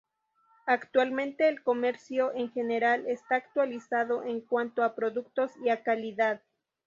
Actualmente, el comercio en general está actualizado en cuanto a productos y a calidad.